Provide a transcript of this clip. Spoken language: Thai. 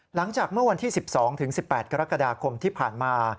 หลังจากเมื่อวันที่๑๒๑๘กรกฎาคมที่ผ่านมา